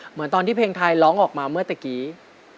เหมือนตอนที่เพลงไทยร้องออกมาเมื่อเมื่อเมื่อกี้